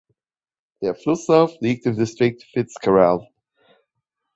Der Flusslauf liegt im Distrikt Fitzcarrald.